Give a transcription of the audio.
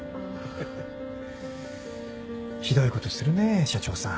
ひどいことするねぇ社長さん。